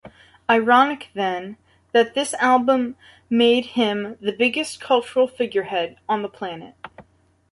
Ironic, then, that this album made him the biggest cultural figurehead on the planet.